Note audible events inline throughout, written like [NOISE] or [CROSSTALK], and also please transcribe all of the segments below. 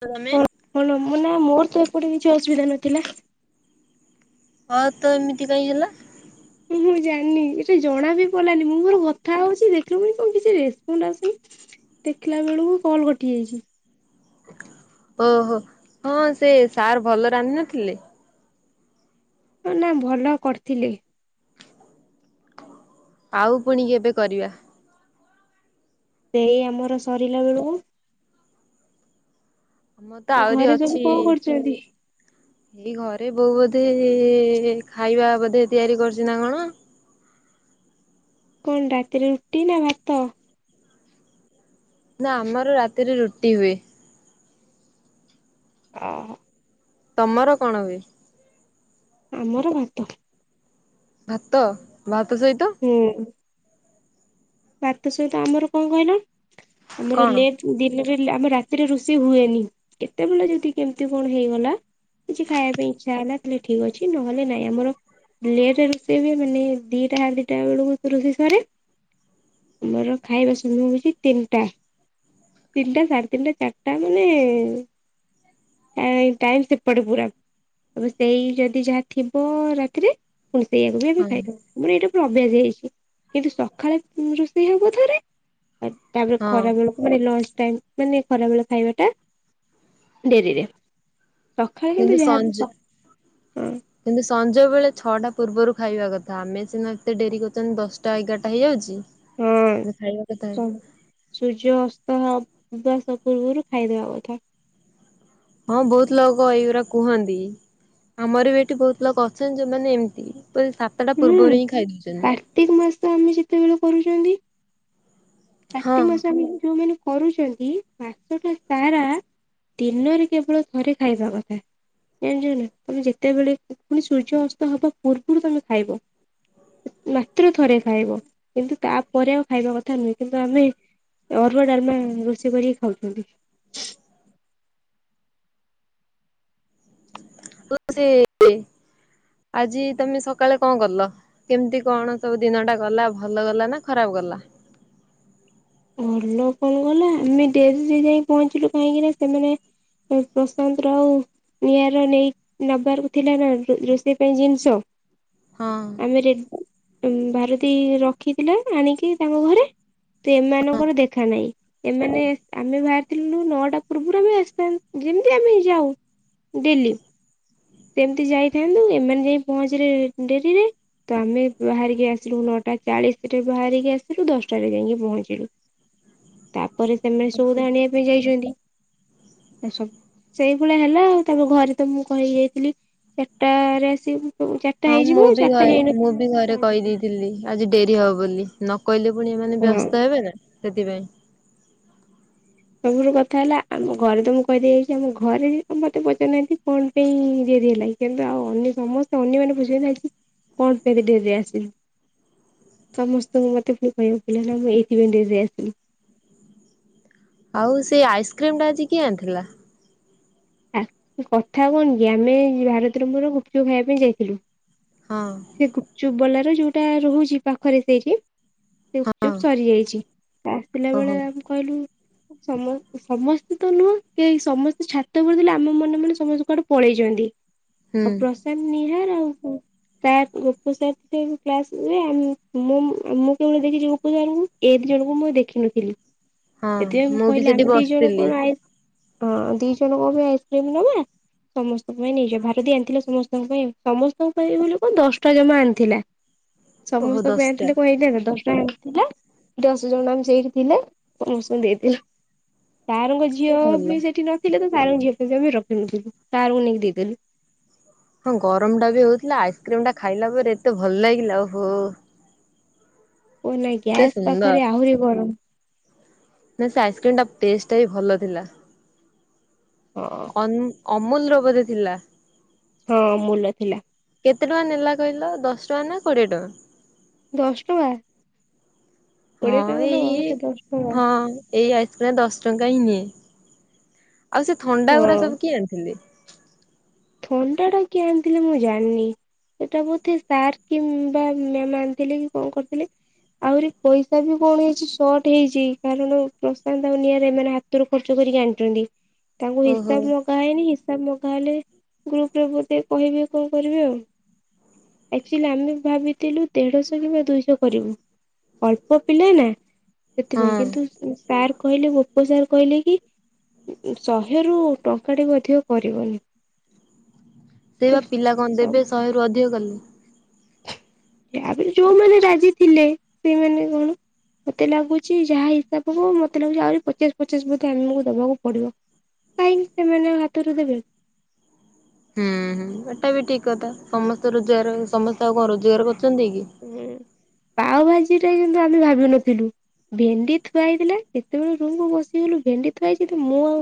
ତ ତମେ କଣ କଣ ମାନେ ମୋର ତ ଏପଟେ କିଛି ଅସୁବିଧା ନଥିଲା। ହଁ ତ ଏମିତି କାଇଁ ହେଲା? [UNINTELLIGIBLE] ମୁଁ ଜାଣିନି ଏଟା ଜଣା ବି ପଡିଲାନି, ମୁଁ ମୋର କଥା ହଉଚି ଦେଖିଲି ମୁଁ କଣ କିଛି ରେସ୍ପଣ୍ଡ ଆସୁନି। ଦେଖିଲା ବେଳୁକୁ କଲ୍ କଟି ଯାଇଚି। ଓହୋ, ହଁ ସେ ସାର୍ ଭଲ ରାନ୍ଧିନଥିଲେ? [UNINTELLIGIBLE] ନାଁ ଭଲ କରିଥିଲେ। ଆଉ ପୁଣି କେବେ କରିବା? ଏଇ ଆମର ସରିଲା ବେଳୁକୁ। ଆମର ତ ଆଉ ଆହୁରି ଘରେ ସବୁ ଅଛି କଣ କରୁଛନ୍ତି? ଏଇ ଘରେ ବୋଉ ବୋଧେ ଖାଇବା ବୋଧେ ତିଆରି କରୁଚି ନା କଣ। କଣ ରାତିରେ ରୁଟି ନା ଭାତ? ନା ଆମର ରାତିରେ ରୁଟି ହୁଏ। ଓହ। ତମର କଣ ହୁଏ? ଆମର ଭାତ। ଭାତ, ଭାତ ସହିତ? ହୁଁ। ଭାତ ସହିତ ଆମର କଣ କହିଲ, ଆମର କଣ ଲେଟ୍ ଦିନରେ ଆମେ ରାତିରେ ରୋଷେଇ ହୁଏନି କେତେବେଳେ ଯଦି କେମ୍ତି କଣ ହେଇଗଲା। କିଛି ଖାଇବା ପାଇଁ ଇଚ୍ଛା ହେଲା ତାହେଲେ ଠିକ୍ ଅଛି, ନହେଲେ ନାଇଁ ଆମର ଲେଟ୍ ରେ ରୋଷେଇ ହୁଏ, ମାନେ ଦିଟା ସାଢ଼େ ଦିଟା ବେଳୁକୁ ରୋଷେଇ ସରେ। ଆମର ଖାଇବା ସମୟ ହଉଚି ତିନିଟା। ତିନିଟା ସାଢେ ତିନିଟା ଚାରିଟା ମାନେ ଟାଇମ୍ ସେପଟେ ପୁରା ସେଇ ଯଦି ଯାହା ଥିବ ରାତିରେ ପୁଣି ସେଇଆକୁ ବି [UNINTELLIGIBLE] ହଁ ଖାଇଦଉ, ମାନେ ଏଇଟା ପୁରା ଅଭ୍ୟାସ ହୋଇଯାଇଛି, କିନ୍ତୁ ସଖାଳେ ପୁଣି ରୋଷେଇ ହବ ଥରେ, ତାପରେ ହଁ ଖରାବେଳ ମାନେ ଲଞ୍ଚ ଟାଇମ୍ ମାନେ ଖରାବେଳେ ଖାଇବା ଟା ଡେରିରେ। ସଖାଳେ କିନ୍ତୁ ଯାହା ବି-ସ-ହଁ। କିନ୍ତୁ ସଞ୍ଜବେଳେ ଛଅଟା ପୂର୍ବରୁ ଖାଇବା କଥା, ଆମେ ସିନା ଏତେ ଡେରି କରୁଚନ୍ତି ଦଶଟା ଏଗାରଟା ହେଇଯାଉଚି। ହଁ। ସୂର୍ଯ୍ୟ ଅସ୍ତ ହବା [UNINTELLIGIBLE] ପୂର୍ବୁରୁ ଖାଇଦବା କଥା। ହଁ ବହୁତ୍ ଲୋକ ଏଇଗୁରା କୁହନ୍ତି। ଆମର ବି ଏଠି ବହୁତ୍ ଲୋକ ଅଛନ୍ତି, ଯୋଉମାନେ ଏମ୍ତି [UNINTELLIGIBLE] ହୁଁ କାର୍ତିକ୍ ମାସ ଆମେ ଯେତେବେଳେ କରୁଚନ୍ତି। ହଁ କାର୍ତ୍ତିିକ୍ ମାସ ଆମେ ଯୋଉମାନେ କରୁଚନ୍ତି ମାସଟା ସାରା ଦିନରେ କେବଳ ଥରେ ଖାଇବା କଥା। ଜାଣିଛ ନା ତମେ ଯେତେବେଳେ ପୁଣି ସୂର୍ଯ୍ୟ ଅସ୍ତ ହବା ପୂର୍ବୁରୁ ତମେ ଖାଇବ। ମାତ୍ର ଥରେ ଖାଇବ କିନ୍ତୁ ତାପରେ ଆଉ ଖାଇବା କଥା ନୁହେଁ। କିନ୍ତୁ ଆମେ ଅରୁଆ ଡାଲମା ରୋଷେଇ କରିକି ଖାଉଚନ୍ତି। [UNINTELLIGIBLE] ସେ ଆଜି ତମେ ସକାଳେ କଣ କଲ? କେମ୍ତି କଣ ସବୁ ଦିନଟା ଗଲା ଭଲ ଗଲା ନା ଖରାପ୍ ଗଲା? ଭଲ କଣ ଗଲା, ଆମେ ଡେରିରେ ଯାଇ ପହଞ୍ଚିଲୁ କାହିଁକିନା ସେମାନେ ଏ ପ୍ରଶାନ୍ତ ରାଉ ନିଆର ନେଇ ନବାରକୁ ଥିଲା ନ-ପ- ରୋଷେଇ ପାଇଁ ଜିନିଷ ହଁ। ଆମ ରେ [UNINTELLIGIBLE] ଭାରତୀ ରଖିଥିଲା ଆଣିକି ତାଙ୍କ ଘରେ। ସେମାନଙ୍କର ଦେଖା ନାହିଁ। ଏମାନେ, ଆମେ ବାହାରିଥିଲୁ ନଅଟା ପୂର୍ବରୁ ବି ଆସଥାନ୍ତ ଯେମିତି ଆମେ ଯାଉ। ଡେଲି, ସେମିତି ଯାଇଥାନ୍ତୁ ଏମାନେ ଯାଇ ପହଞ୍ଚିଲେ ଡେରିରେ। ତ ଆମେ ବାହାରିକି ଆସିଲୁ ନଅଟା ଚାଳିଶରେ ବାହାରିକି ଆସିଲୁ ଦଶଟାରେ ଯାଇକି ପହଞ୍ଚି ଚିଲୁ, ତାପରେ ସେମାନେ ସଉଦା ଆଣିବା ପାଇଁ ଯାଇଚନ୍ତି, ଏ ସବୁ ସେଇଭଳିଆ ହେଲା ଆଉ ତାପରେ ଘରେ ତ ମୁଁ କହିକି ଯାଇଥିଲି ଚାଟାରେ ଆସିବି। ହଁ ଚାଟା ମୁଁ ହେଇଯିବ, ବି ଚାଟା ହେଇନଥିଲା ଆସିକି ପହଞ୍ଚିଲି। ଏ ଆଜି ଡେରି ହବ ବୋଲି ନକହିଲେ ପୁଣି ଏମାନେ ବ୍ୟସ୍ତ ହେବେ ନା ସେଥିପାଇଁ। ସବୁ ରୁ କଥା ହେଲା ଆମ ଘରେ ତ ମୁଁ କହିଦେଇ ଆଇଚି ଆମ ଘରେ ବି ମୋତେ ପଚାରିନାହାନ୍ତି କଣ ପାଇଁ ଡେରି ହେଲା କି। କିନ୍ତୁ ଆଉ ଅନ୍ୟ ସମସ୍ତେ ଅନ୍ୟ ମାନେ ବୁଝିପାରୁନାହାନ୍ତି ଆଜି କଣ ପାଇଁ ଏତେ ଡେରିରେ ଆସିଲୁ। ସମସ୍ତଙ୍କୁ ମୋତେ ପୁଣି କହିବାକୁ ପିଲା ହେଲା ମୁଁ ଏଇଥିପାଇଁ ଡେରିରେ ଆସିଲି। ଆଉ ସେଇ ଆଇସ୍କ୍ରିମ୍ ଟା ଆଜି କିଏ ଆଣିଥିଲା? ଆ, କଥା କଣ କି ଆମେ ଭାରତୀର ମୋର ଗୁପଚୁପ ଖାଇବା ପାଇଁ ଯାଇଥିଲୁ। ହଁ। ସେ ଗୁପଚୁପ୍ ବଲାର ର ଯୋଉଟା ରହୁଛି ପାଖରେ ସେଇଠି। ହଁ ଗୁପଚୁପ ସରିଯାଇଛି, ଆସିଲା ବେଳେ ଓହୋ ଆମ କହିଲୁ ସମ ସମସ୍ତେ ତ ନୁହଁ କେଇ ସମସ୍ତେ ଛାତ ଉପରେ ଥିଲେ ଆମ ମନେ ମନେ ସମସ୍ତେ କୁଆଡେ ପଳେଇଚନ୍ତି। ହୁଁ ଆଉ ପ୍ରଶାନ୍ତ, ନିହାର ଆଉ ସାର୍ ଗୋପ ସାର୍ ଥିଲେ କ୍ଲାସ୍ ହୁଏ, ଆମ ମୋ ଆମ [UNINTELLIGIBLE] ଗୋପ ସାର୍ ଙ୍କୁ। ଏ ଦି ଜଣଙ୍କୁ ମୁଁ ଦେଖିନଥିଲି, ହଁ ସେଥିପାଇଁ ମୁଁ ବି କହିଲି ସେଠି ଆମେ ଦି ଜଣ ବସିଥିଲି। କଣ ଆଇସ୍ ହଁ ଦି ଜଣଙ୍କ ପାଇଁ ଆଇସ୍କ୍ରିମ୍ ନବା। ସମସ୍ତଙ୍କ ପାଇଁ ନେଇଯିବା, ଭାରତୀ ଆଣିଥିଲା ସମସ୍ତଙ୍କ ପାଇଁ, ସମସ୍ତଙ୍କ ପାଇଁ [UNINTELLIGIBLE] ହଁ ଦଶଟା ଜମା ଆଣିଥିଲା, ଓହୋ ସମସ୍ତ ପାଇଁ ଦଶଟା ଆଣିଥିଲେ କଣ ହେଇଥାନ୍ତା? ଦଶ ଟା ଆଣିଥିଲା, ଦଶ ଜଣ ଆମେ ସେଇଠି ଥିଲେ, ସମସ୍ତଙ୍କୁ ଦେଇଦେଲୁ, ସାର୍ ଙ୍କ ଝି ଝିଅ ବି ଭଲ। ସେଠି ନଥିଲେ ତ ସାର୍ ଙ୍କ ଝିଅ [UNINTELLIGIBLE] ରଖିଦେଇଥିଲୁ। ସାର୍ ଙ୍କୁ ନେଇକି ଦେଇଦେଲି। ହଁ ଗରମ ଟା ବି ହୋଉଥିଲା। ଆଇସ୍କ୍ରିମ୍ ଟା ଖାଇଲା ପରେ ଏତେ ଭଲା ଲାଗିଲା। ଓହୋଃ! ଓ, ନାଇଁ ଗ୍ୟାସ୍ ସୁନ୍ଦର ପାଖରେ ଆହୁରି ଗରମ। ନା ସେ ଆଇସ୍କ୍ରିମ୍ ଟା ଟେଷ୍ଟ୍ ଟା ବି ଭଲ ଥିଲା। ହଁ। ଅନ୍, ଅମୁଲ୍ ର ବୋଧେ ଥିଲା? ହଁ ଅମୁଲ୍ ର ଥିଲା। କେତେ ଟଙ୍କା ନେଲା କହିଲ ଦଶ ଟଙ୍କା ନା କୋଡ଼ିଏ ଟଙ୍କା? ଦଶ ଟଙ୍କା। କୋଡିଏ ହଁ ଟଙ୍କା ନବ ଏଇ ଏଇଟା ଦଶ ହଁ। ଟଙ୍କା ଏଇ ଆଇସ୍କ୍ରିମ୍ ଦଶ ଟଙ୍କା ହିଁ ନିଏ। ଆଉ ସେ ଥଣ୍ଡା ଗୁରା ହଁ ସବୁ କିଏ ଆଣିଥିଲେ? ଥଣ୍ଡା ଟା କିଏ ଆଣିଥିଲେ ମୁଁ ଜାଣିନି? ସେଟା ବୋଧେ ସାର୍ କିମ୍ବା ମ୍ୟାମ୍ ଆଣିଥିଲେ କି କଣ କରିଥିଲେ। ଆହୁରି ପଇସା ବି କଣ ହେଇଛି ସଟ୍ ହେଇଛି। କାରଣ ପ୍ରଶାନ୍ତ ଆଉ ନିଆର ଏମାନେ ହା ତୁରୁ ଖର୍ଚ୍ଚ କରିକି ଆଣିୁଚନ୍ତି। ତାଙ୍କୁ ଓହୋ ହିସାବ ମଗା ହେଇନି। ହିସାବ ମଗା ହେଲେ ଗ୍ରୁପ୍ ରେ ବୋଧେ କହିବେ କଣ କରିବେ ଆଉ। ଏକ୍ଚୁଲି ଆମେ ଭାବିଥିଲୁ ଦେଢ଼ଶ କିମ୍ବା ଦୁଇଶ କରିବୁ। ଅଳ୍ପ ପିଲା ନା ହଁ। ସେଥିପାଇଁ କିନ୍ତୁ ସାର୍ କହିଲେ ଗୋପ ସାର୍ କହିଲେ କି ଶହେ ରୁ ଟଙ୍କାଟେ ବି ଅଧିକ କରିବନି। ସେଇ ପା ପିଲା କଣ ତ ଦେବେ ଶହେରୁୁ ଅଧିକ କଲେ। ତାପରେ ଯଉମାନେ ରାଜି ଥିଲେ ସେଇମାନେ କଣ ମତେ ଲାଗୁଚି ଯାହା ହିସାବ ହବ ମତେ ଲାଗୁଚି ଆହୁରି ପଚାଶ୍ ପଚାଶ୍ ବୋଧେ ଆମକୁ ଦବାକୁ ପଡିବ। କହିଁକି ସେମାନେ ହାତରୁ ଦେବେ। ହୁଁ ହୁଁ ଏଟା ବି ଠିକ୍ କଥା ସମସ୍ତେ ରୋଜଗାର ସମସ୍ତେ ଆଉ କଣ ରୋଜଗାର କରୁଚନ୍ତି କି। ଉଁ- ପାଓ ଭାଜି ଟା କିନ୍ତୁ ଆମେ ଭାବି ନଥିଲୁ। ଭେଣ୍ଡି ଥୁଆ ହେଇଥିଲା ଯେତେବେଳେ ରୁମ୍ କୁୁ ପସିଗଲୁ ଭେଣ୍ଡି ଥୁଆ ହୋଇଚି ତ ମୁଁ ଆଉ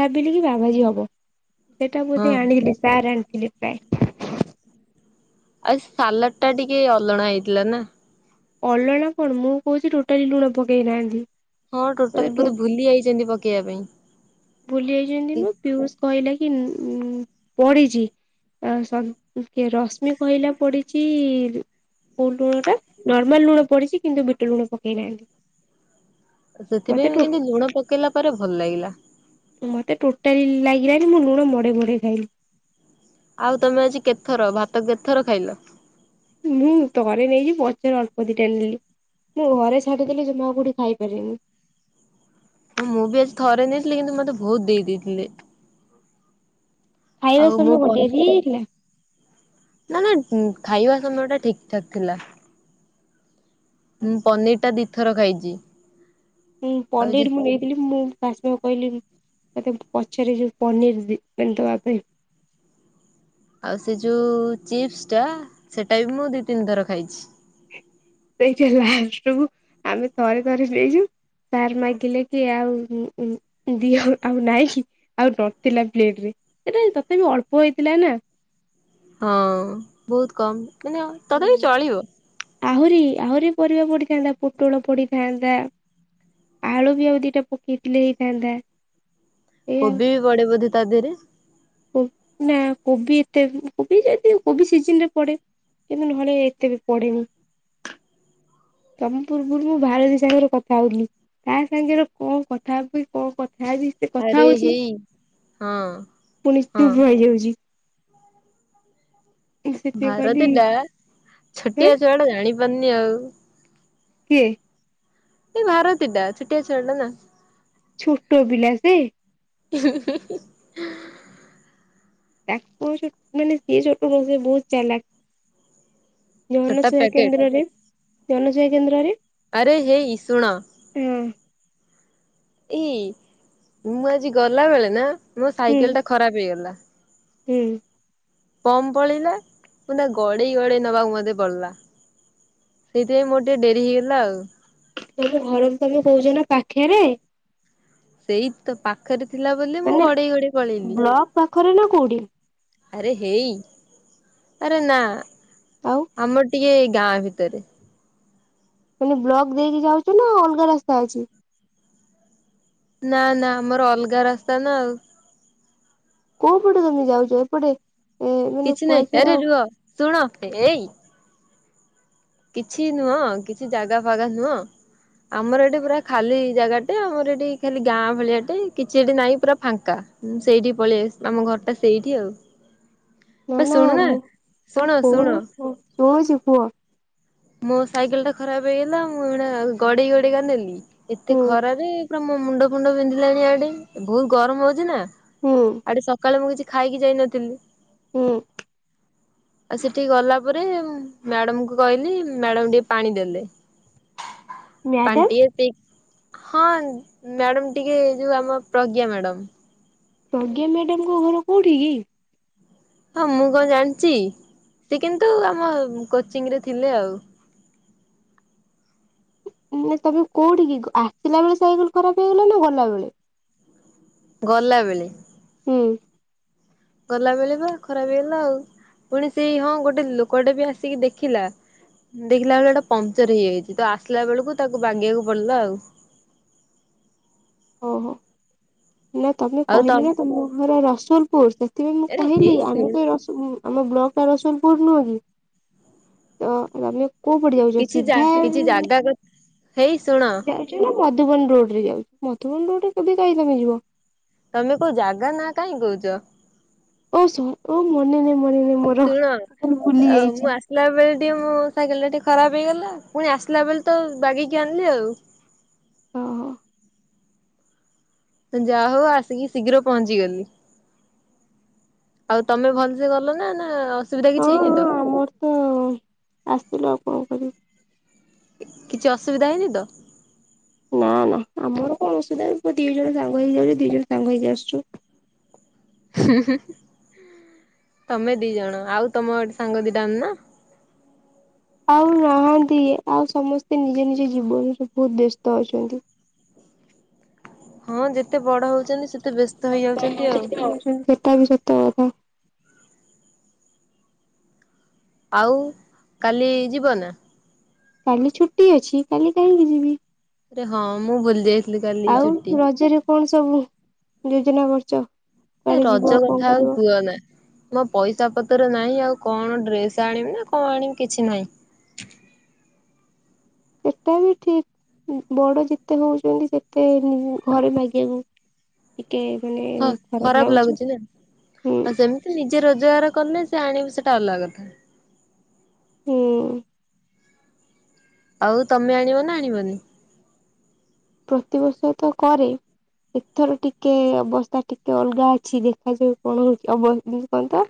ଭାବିଲି କି ପାଓଭାଜି ହବ ସେଟା ହଁ ବୋଧେ ଆଣିଲେ ସାର୍ ଆଣିଥିଲେ। [UNINTELLIGIBLE] ଆଉ ସାଲାଡ୍ ଟା ଟିକେ ଅଲଣା ହେଇଥିଲା ନା? ଅଲଣା କଣ ମୁଁ କହୁଚି ଟୋଟାଲି ଲୁଣ ପକେଇ ନାହାନ୍ତି। ହଁ ଟୋଟାଲ୍ ବୋଧେ ଭୁଲି ଯାଇଚନ୍ତି ପକେଇବା ପାଇଁ। ଭୁଲି ଯାଇଚନ୍ତି ନୁ ପିୟୁଷ କହିଲା କି ଉଁ -ଉଁ ପଡିିଚି। ଆଉ ସବୁ ଉଁ- କିଏ ରଶ୍ମି କହିଲା ପଡିଚି କଉ ଲୁଣ ଟା ନର୍ମାଲ୍ ଲୁଣ ପଡିଚି କିନ୍ତୁ ବିଟ ଲୁଣ ପକେଇ ନାହାନ୍ତି। ଆଉ ମତେ ସେଥିପାଇଁ [UNINTELLIGIBLE] ଟୋ କିନ୍ତୁ ଲୁଣ ପକେଇଲା ପରେ ଭଲ ଲାଗିଲା। ମତେ ଟୋଟାଲି ଲାଗିଲାଣି ମୁଁ ଲୁଣ ମଡେଇ ମଡେଇ ଖାଇଲିି। ଆଉ ତମେ ଆଜି କେତେ ଥର ଭାତ କେତେ ଥର ଖାଇଲ? ମୁଁ ଥରେ ନେଇଚି ପଛରେ ଅଳ୍ପ ଦିଟା ଆଣିଲି। ମୁଁ ଘରେ ଛାଡି ଦେଲେ ଯଉ ମୁଁ ଆଉ କଉଠି ଖାଇ ପାରେନି। ହଁ ମୁଁ ବି ଆଜି ଥରେ ନେଇଥିଲି କିନ୍ତୁ ମତେ ବୋହୁତ୍ ଦେଇ ଦେଇଥିଲେ। ଖାଇବା ଆଉ ମୁଁ ସମୟ କଣ ପନି ଡେରି ହେଇ ଯାଇଥିଲା? ନା- ନା ଉଁ- ଖାଇବା ସମୟ ଟା ଠିକ୍ ଠାକ୍ ଥିଲା। ମୁଁ ପନିର୍ ଟା ଦି ଥର ଖାଇଚି। ହୁଁ ପନିର୍ ମୁଁ ନେଇ ନଥିଲି ମୁଁ ପାର୍ଶଲ୍ କହିଲି ମତେ ପଛରେ ଯଉ ପନିର୍ ଦି- ଦବା ପାଇଁ ଆଉ ସେ ଯଉ ଚିପ୍ସ୍ ଟା ସେଟା ବି ମୁଁ ଦି ତିନି ଥର ଖାଇଚି। ସେଇଟା ଲାଷ୍ଟ୍ କୁ ଆମେ ଥରେ ଥରେ ନେଇଚୁ ସାର୍ ମାଗିଲେ କି ଆଉ ଉଁ- ଉଁ ଦିଅ ଆଉ ନାହିଁ କି। ଆଉ ନଥିଲା ପ୍ଲେଟ୍ ରେ ସେଇଟା ତଥାପି ଅଳ୍ପ ହେଇଥିଲା ନା। ହଁ‌ ବହୁତ୍ କମ୍ ମାନେ ଅ ଆହୁରି -ଆହୁରି ପରିବା ପଡିଥାନ୍ତା ପୋଟୋଳ ପଡିଥାନ୍ତା ଆଳୁ ବି ଆଉ ଦିଟା ପକେଇଥିଲେ ହେଇଥାନ୍ତା। ଏଇଆ କୋବି ବି ପଡେ ବୋଧେ ତା ଦେହରେ। କୋ-ନା କୋବି ଏତେ କୋବି ଯେ କିନ୍ତୁ କୋବି ସିଜିନ୍ ରେ ପଡେ କିନ୍ତୁ ନହଲେ ଏତେ ବି ପଡିନି। ତମ ପୂର୍ବରୁ ମୁଁ ଭାରତୀ ସାଙ୍ଗରେ କଥା ହଉଥିଲିି। ତା ସାଙ୍ଗେରେ କଣ କଥା ହେବି କଣ କଥା ହେବି ସେ କଥା ଆରେ ହଉଚି ହେଇ ହଁ ପୁଣି ହଁ ଚୁପ୍ ରହିଯାଉଚି। ସେଥିପାଇଁ କହିଲି ଭାରତୀ ଟା ହେଁ ଛୋଟିଆ ଛୁଆ ଟା ଜାଣି ପାରୁନି ଆଉ। କିଏ? ଏ ଭାରତୀ ଟା ଛୁଟିଆ ଛୁଆ ଟା ନା। ଛୋଟ ପିଲା ସେ? [INAUDIBLE] [UNINTELLIGIBLE] ବହୁତ୍ ଚାଲାକ୍। ଛୋଟା ଜନସେବା ପ୍ୟାକେଟ କେନ୍ଦ୍ରରେ ଜନସେବା କେନ୍ଦ୍ରରେ ଆରେ ହେଇ ଶୁଣ। ଉଁ। ଏ ମୁଁ ଆଜି ଗଲା ବେଳେ ନା ମୋ ହୁଁ ସାଇକେଲ ଟା ଖରାପ ହେଇଗଲା। ହୁଁ। ପମ୍ପ ପଳେଇଲା। ମୁଁ ତାକୁ ଗଡେଇ ଗଡେଇ ନବାକୁ ମୋତେ ପଡିଲା। ସେଇଥିପାଇଁ ମୋର ଟିକେ ଡେରି ହେଇଗଲା ଆଉ। ତମେ ଘରକୁ ତମେ [UNINTELLIGIBLE] ନା ପାଖେରେ। ସେଇ ତ ପାଖରେ ଥିଲା ବୋଲି ମୁଁ ମାନେ ଗଡେଇ ଗଡେଇ ପଳେଇଲି। ବ୍ଲକ ପାଖରେ ନା କୋଉଠି ଆରେ ହେଇ ଆରେ ନା ଆଉ ଆମ ଟି ଏ ଗାଁ ଭିତରେ। ମାନେ ବ୍ଲକ ଦେଇକି ଯାଉଚ ନା ଅଲଗା ରାସ୍ତା ଅଛି? ନା ନା ଆମର ଅଲଗା ରାସ୍ତା ନା ଆଉ। କୋଉ ପଟେ ତମେ ଯାଉଚ? ଏପଟେ ଏ ମାନେ କିଛି ନାଇ କୁଆଖିଆର ଆରେ ରୁହ, ଶୁଣ, ଏଇ କିଛି ନୁହଁ, କିଛି ଜାଗା ଫାଗା ନୁହଁ। ଆମର ଏଠି ପୁରା ଖାଲି ଜାଗାଟେ ଆମର ଏଠି ଖାଲି ଗାଁ ଭଳିଆଟେ କିଛି ଏଠି ନାହିଁ ପୁରା ଫାଙ୍କା। ହୁଁ ସେଇଠିକି ପଳେଇ ଆସ ଆମ ଘର ଟା ସେଇଠି ଆଉ। ନା ବେ ନା ଶୁଣୁନା ମୁଁ କଣ ଶୁଣ ଶୁଣ କହୁନ ସୁଣୁଚି କୁହ। ମୋ ସାଇକେଲ ଟା ଖରାପ ହେଇଗଲା, ମୁଁ ହେଟା ଗଡେଇ ଗଡେଇ କା ନେଲି। ଏତେ ହୁଁ ଖରାରେ ପୁରା ମୋ ମୁଣ୍ଡ ଫୁଣ୍ଡ ବିନ୍ଧିଲାଣି ଇଆଡେ। ବହୁତ୍ ଗରମ ହଉଚି ନା। ହୁଁ ଆଡେ ସକାଳେ ମୁଁ କିଛି ଖାଇକି ଯାଇନଥିଲି। ହୁଁ। ଆଉ ସେଠିକି ଗଲା ପରେ, ମ୍ୟାଡମ୍ କୁ କହିଲି ମ୍ୟାଡ଼ାମ୍ ଟିକେ ପାଣି ଦେଲେ। ପାଣି ମ୍ୟାଡାମ ଟିକେ ହଁ ମ୍ୟାଡ଼ମ୍ ଟିକେ ଯଉ ଆମ ପ୍ରଜ୍ଞା ମ୍ୟାଡ଼ମ୍। ପ୍ରଜ୍ଞା ମ୍ୟାଡାମ୍ ଙ୍କ ଘର କୋଉଠି କି? ହଁ ମୁଁ କଣ ଜାଣିଚି। ସେ କିନ୍ତୁ ଆମ କୋଚିଂରେ ଥିଲେ ଆଉ। ମାନେ ତମେ କୋଉଠିକି, ଆସିଲା ବେଳେ ସାଇକେଲ ଖରାପ ହେଇଗଲା ନା ଗଲାବେଳେ? ଗଲାବେଳେ। ହୁଁ। ଗଲା ବେଳେ ବା ଖରାପ ହେଇଗଲା ଆଉ। ପୁଣି ସେଇ ହଁ ଗୋଟେ ଲୋକଟେ ବି ଆସିକି ଦେଖିଲା। ଦେଖିଲା ବେଳେ ଏଟା ପଂଚର ହେଇଯାଇଚି। ତ ଆସିଲା ବେଳକୁ ତାକୁ ବାଗେଇବାକୁ ପଡିଲା ଆଉ। ଓହୋ। ନା ତମେ କହିଲି ନା ତମ ଘର ରସୁଲପୁର। ସେଥିପାଇଁ ମୁଁ ଆରେ କହିଲି ହେଇ ଆମେ ଶୁଣ ତ ରସୁ ଆମ ବ୍ଲକ ଟା ରସୁଲପୁର ନୁହେଁ କି। ତ ଆମେ କୋଉପଟେ ଯାଉଚ କିଛି ସିଧା କିଛି ଜାଗା କଥା ହେଇ ଶୁଣ ମଧୁବନ ରୋଡ ରେ ଯାଉ, ମଧୁବନ ରୋଡ ରେ କେବେ କାହିଁ ତମେ ଯିବ। ତମେ କୋଉ ଜାଗା ନା କାଇଁ କହୁଚ। ଓ ସ ଓ ମନେ ନାହିଁ ମନେ ନାହିଁ ମୋର। ଶୁଣ ଟୋଟାଲ ଭୁଲି ଆଉ ମୁଁ ଯାଇଛି ଆସ୍ ଆସିଲା ବେଳେ ଟିକେ ମୋ ସାଇକେଲ ଟା ଟିକେ ଖରାପ ହେଇଗଲା। ପୁଣି ଆସିଲା ବେଳେ ତ ବାଗେଇ କି ଆଣିଲି ଆଉ। ହଁ ହଁ। ଯାହା ହଉ ଆସିକି ଶୀଘ୍ର ପହଞ୍ଚି ଗଲି। ଆଉ ତମେ ଭଲସେ ଗଲ ନା ନା ଅସୁବିଧା କିଛି ହଁ ହେଇନି ହଁ ତ? ଆମର ତ ଆସିଲୁ ଆଉ କଣ କରିବୁ। କିଛି ଅସୁବିଧା ହେଇନି ତ? ନା ନା ଆମର କଣ ଅସୁବିଧା ହୋଉଛି ଦି ଜଣ ସାଙ୍ଗ ହେଇଯାଉଛୁ ଦି ଜଣ ସାଙ୍ଗ ହେଇ ଆସୁଛୁ। ତମେ ଦି ଜଣ ଆଉ ତମ ସାଙ୍ଗ ଦିଟା ଆଣୁନ। ଆଉ ନାହାନ୍ତି ଆଉ ସମସ୍ତେ ନିଜ ନିଜ ଜୀବନରେ ବୋହୁତ୍ ବ୍ୟସ୍ତ ଅଛନ୍ତି। ହଁ ଯେତେ ବଡ ହୋଉଛନ୍ତି ସେତେ ବ୍ୟସ୍ତ ହେଇଯାଉଛନ୍ତି ଆଉ। ତା ବି ସତ କଥା। ଆଉ କାଲି ଯିବ ନା? କାଲି ଛୁଟି ଅଛି କାଲି କାହିଁକି ଯିବି। ହଁ ମୁଁ ଭୁଲି ଯାଇଥିଲି କାଲି ଆଉ ଛୁଟି। ରଜରେ କଣ ସବୁ ଯୋଜନା କରୁଛ? ଏ ରଜ କଥା ଆଉ କୁହନା। ମୋ ପଇସା ପତରେ ନାହିଁ ଆଉ କଣ ଡ୍ରେସ୍ ଆଣିବି ନା କଣ ଆଣିବି କିଛି ନାହିଁ। ସେଟା ବି ଠିକ୍। ବଡ ଯେତେ ହଉଛନ୍ତି ସେତେ ଘରେ ମାଗିବାକୁ ଟିକେ ମାନେ ଖରାପ ଲାଗୁଛି। ହୁଁ। ଆଉ ସେମିତି ନିଜେ ରୋଜଗାର କଲେ ସେ ଆଣିବୁ ସେଟା ଅଲଗା କଥା। ହୁଁ। ଆଉ ତମେ ଆଣିବ ନା ଆଣିବନି? ପ୍ରତିି ବର୍ଷ ତ କରେ। ଏଥର ଟିକେ ଅବସ୍ଥା ଟିକେ ଅଲଗା ଅଛି। ଦେଖାଯାଉ କଣ ହଉଛି [UNINTELLIGIBLE]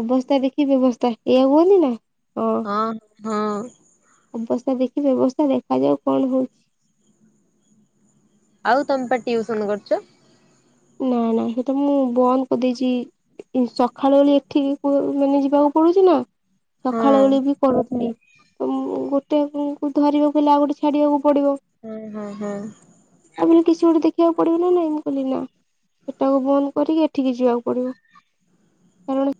ଅବସ୍ଥା ଦେଖି ବ୍ୟବସ୍ଥା ଏଇଆ ହୁଅନ୍ତି ନା? ହଁ ହଁ। ଅବସ୍ଥା ଦେଖି ବ୍ୟବସ୍ଥା ଦେଖାଯାଉ କଣ ହୋଉଛି। ଆଉ ତମେ ପା ଟିଉସନ୍ କରୁଛ? ନାଁ ନା ସେଇଟା ମୁଁ ବନ୍ଦ କରିଦେଇଛି ସକାଳ ବେଳେ ଏଠିକି ମାନେ ଯିବାକୁ ପଡୁଛି ନା ହଁ ସକାଳ ଉଳେ ବି କରୁଥିଲି। ତ ମୁଁ ଗୋଟେ କୁ ଧରିବାକୁ ହେଲେ, ଆଉ ଗୋଟେ ଛାଡିବାକୁ ପଡିବ। ହୁଁ, ହଁ ହଁ। ତାପରେ କିଛି ଗୋଟେ ଦେଖିବାକୁ ପଡିବ ନାଇ, ମୁଁ କହଲି ନା। ସେଟାକୁ ବନ୍ଦ କରିକି ଏଠିକି ଯିବାକୁ ପଡିବ। କାରଣ